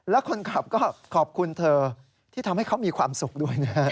แล้วคนขับก็ขอบคุณเธอที่ทำให้เขามีความสุขด้วยนะฮะ